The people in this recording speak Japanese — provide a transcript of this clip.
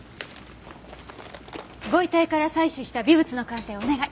ご遺体から採取した微物の鑑定をお願い。